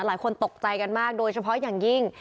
หลายคนตกใจกันมากโดยเฉพาะอย่างยิ่ง